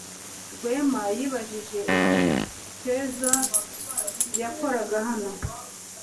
Rwema yibajije icyo Keza yakoraga hano.